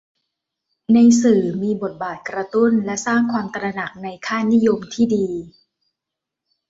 ให้สื่อมีบทบาทกระตุ้นและสร้างความตระหนักในค่านิยมที่ดี